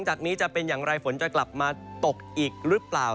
จากนี้จะเป็นอย่างไรฝนจะกลับมาตกอีกหรือเปล่า